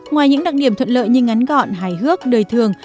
ngoài những đặc điểm thuận lợi như ngắn gọn hài hước đời thường